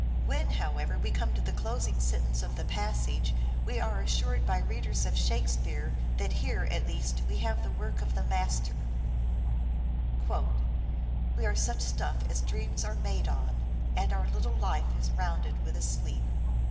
When, however, we come to the closing sentence of the passage we are assured by readers of Shakespeare that here, at least, we have the work of the master : "We are such stuff as dreams are made on, and our little life is rounded with a sleep."